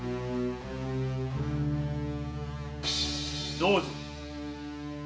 どうぞ。